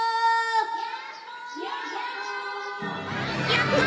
やった！